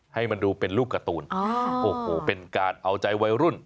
ให้มันดูเป็นลูกการ์ตูนโอ้โหเป็นการเอาใจวัยรุ่น